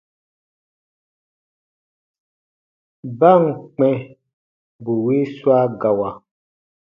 Ba ǹ kpɛ̃ bù wii swa gawa,